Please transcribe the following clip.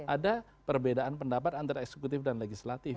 ada perbedaan pendapat antara eksekutif dan legislatif